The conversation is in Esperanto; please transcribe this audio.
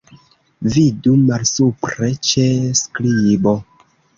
Vidu malsupre ĉe skribo.